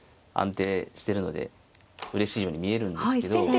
安定してるのでうれしいように見えるんですけど。